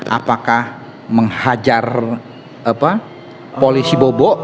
apakah menghajar polisi bobo